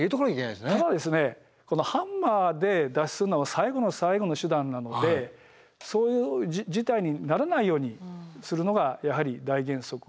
ただこのハンマーで脱出するのは最後の最後の手段なのでそういう事態にならないようにするのがやはり大原則ですね。